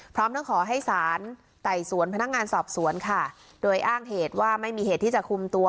พร้อมทั้งขอให้สารไต่สวนพนักงานสอบสวนค่ะโดยอ้างเหตุว่าไม่มีเหตุที่จะคุมตัว